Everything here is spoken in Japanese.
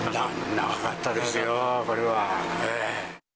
長かったですよ、これは。